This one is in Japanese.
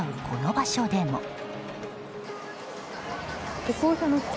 この場所でも。